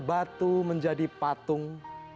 terbatu menjadi patung